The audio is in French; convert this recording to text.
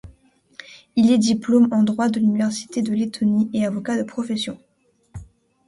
Il est diplôme en droit de l'université de Lettonie et avocat de profession.